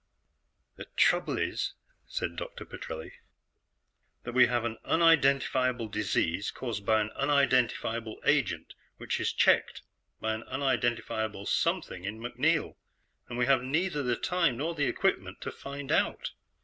"The trouble is," said Petrelli, "that we have an unidentifiable disease caused by an unidentifiable agent which is checked by an unidentifiable something in MacNeil. And we have neither the time nor the equipment to find out.